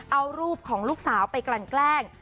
เอารูปของลูกสาวไปกลั่นแกล้ง